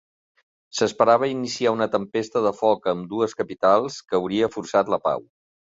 S'esperava iniciar una tempesta de foc a ambdues capitals que hauria forçat la pau.